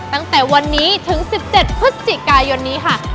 ตั้งแต่วันนี้ถึง๑๗พฤศจิกายนนี้ค่ะ